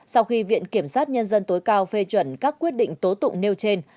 sau khi viện kiểm sát nhân dân tối cao phê chuẩn các quyết định tố tụng nêu trên